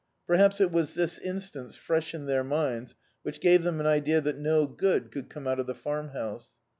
Perhaps it was this in* stance, fresh in their minds, which gave them an idea that no good could come out of the Farmhouse.